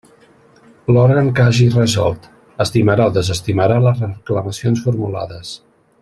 L'òrgan que hagi resolt, estimarà o desestimarà les reclamacions formulades.